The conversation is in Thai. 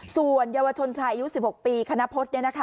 ส่วนเยาวชนชายอายุ๑๖ปีคณพฤษ